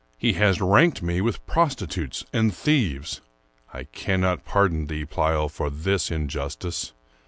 He has ranked me with prostitutes and thieves. I cannot pardon thee, Pleyel, for this injustice.